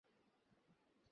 কিছুই দেখতে পাওয়া যায় না।